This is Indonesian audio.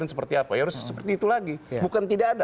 terima kasih pak jamal